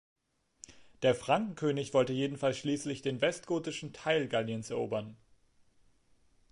Der Frankenkönig wollte jedenfalls schließlich den westgotischen Teil Galliens erobern.